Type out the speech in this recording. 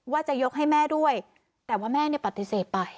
ว่าจะยกให้แม่ด้วยแต่ว่าแม่เนี่ยปฏิเสธไป